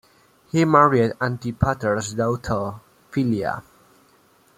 He married Antipater's daughter Phila.